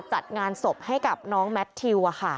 จัดงานศพให้กับน้องแมททิว